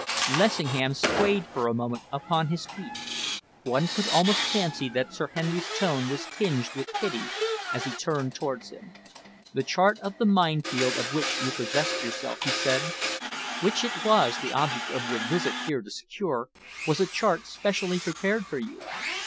Lessingham swayed for a moment upon his feet. One could almost fancy that Sir Henry's tone was tinged with pity as he turned towards him. "The chart of the mine field of which you possessed yourself," he said, "which it was the object of your visit here to secure, was a chart specially prepared for you.